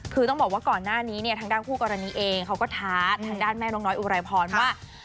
คือต้องบอกว่าก่อนหน้านี้เนี่ยทางด้านคู่กรณีเองเขาก็ท้าทางด้านแม่นกน้อยอุไรพรว่า